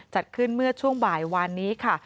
จัดขึ้นเมื่อช่วงบ่ายวานนี้ค่ะ